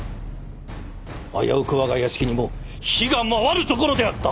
危うく我が屋敷にも火が回るところであった。